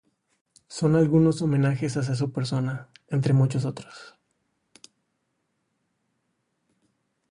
Son algunos homenajes hacia su persona, entre muchos otros.